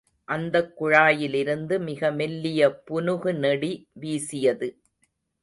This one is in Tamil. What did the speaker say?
அந்தக் குழாயிலிருந்து மிக மெல்லிய புனுகு நெடி வீசியது.